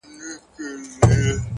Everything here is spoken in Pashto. مهرباني د انسانیت بڼ خوشبویه کوي!